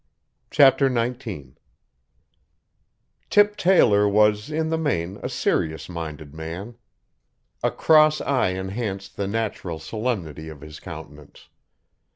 Chapter 19 Tip Taylor was, in the main, a serious minded man. A cross eye enhanced the natural solemnity of his countenance.